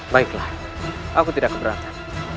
baiklah aku tidak keberatan